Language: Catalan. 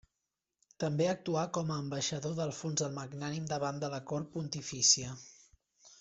També actuà com a ambaixador d'Alfons el Magnànim davant de la cort pontifícia.